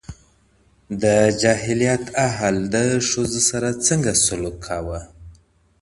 د جاهليت اهل د ښځو سره څنګه سلوک کاوه.